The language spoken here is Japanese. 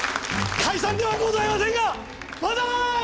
解散ではございませんがバンザーイ！